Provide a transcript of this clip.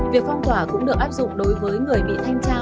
việc phong tỏa cũng được áp dụng đối với người bị thanh tra